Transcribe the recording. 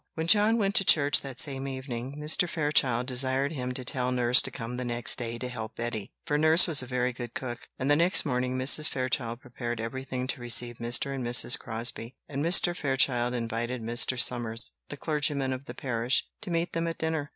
When John went to church that same evening, Mr. Fairchild desired him to tell nurse to come the next day to help Betty, for nurse was a very good cook; and the next morning Mrs. Fairchild prepared everything to receive Mr. and Mrs. Crosbie; and Mr. Fairchild invited Mr. Somers, the clergyman of the parish, to meet them at dinner.